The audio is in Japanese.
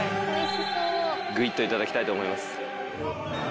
グイっといただきたいと思います。